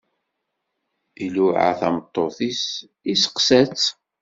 Iluɛa tameṭṭut-is, iseqsa-tt.